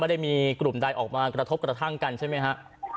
ได้มีกลุ่มใดออกมากระทบกระทั่งกันใช่ไหมฮะ